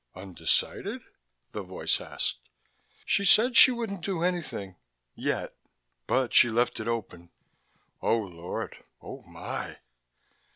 "Undecided?" the voice asked. "She said she wouldn't do anything yet. But she left it open." "Oh. Lord. Oh, my."